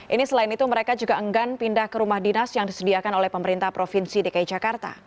ini selain itu mereka juga enggan pindah ke rumah dinas yang disediakan oleh pemerintah provinsi dki jakarta